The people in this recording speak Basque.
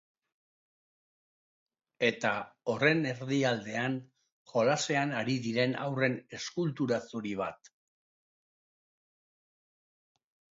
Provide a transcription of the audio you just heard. Eta, horren erdialdean, jolasean ari diren haurren eskultura zuri bat.